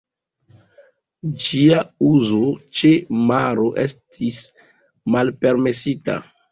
Ĝia uzo ĉe maro estis malpermesita.